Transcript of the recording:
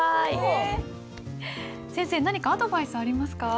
先生何かアドバイスありますか？